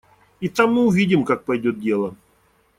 И там мы увидим, как пойдет дело.